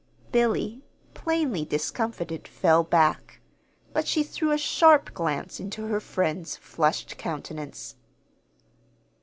Billy, plainly discomfited, fell back; but she threw a sharp glance into her friend's flushed countenance.